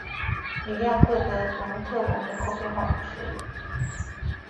米亚克德农特龙人口变化图示